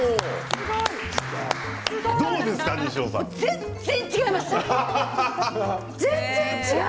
全然違います！